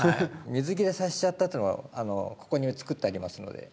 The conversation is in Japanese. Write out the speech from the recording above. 水切れさせちゃったというのをここにつくってありますので。